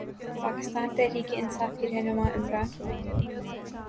پاکستان تحریک انصاف کے رہنما عمران خان